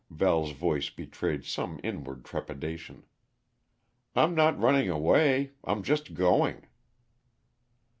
Val's voice betrayed some inward trepidation. "I'm not running away; I'm just going."